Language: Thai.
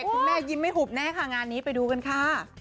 ยิ้มไม่หุบแน่ค่ะงานนี้ไปดูกันค่ะ